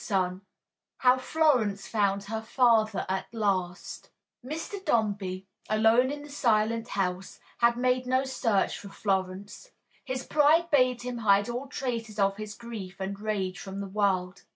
IV HOW FLORENCE FOUND HER FATHER AT LAST Mr. Dombey, alone in the silent house, had made no search for Florence. His pride bade him hide all traces of his grief and rage from the world.